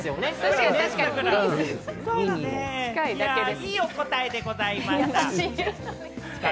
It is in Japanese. いいお答えでございました。